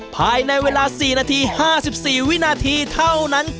ภายในเวลา๔นาที๕๔วินาทีเท่านั้น